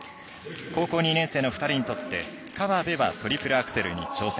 高校２年生の２人にとって河辺はトリプルアクセルに挑戦。